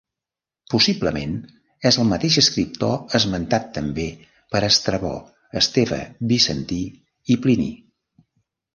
Possiblement és el mateix escriptor esmentat també per Estrabó, Esteve Bizantí i Plini.